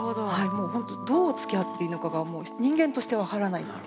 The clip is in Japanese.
もうほんとどうつきあっていいのかが人間として分からないっていう。